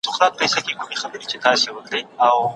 چي د مطرب له خولې مي نوم چا پېژندلی نه دی